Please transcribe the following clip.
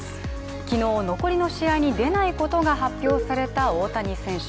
昨日、残りの試合に出ないことが発表された大谷選手。